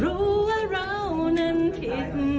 รู้ว่าเรานั้นผิด